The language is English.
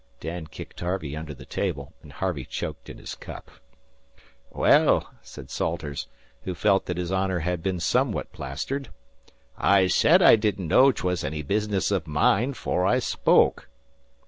Dan kicked Harvey under the table, and Harvey choked in his cup. "Well," said Salters, who felt that his honour had been somewhat plastered, "I said I didn't know as 'twuz any business o' mine, 'fore I spoke."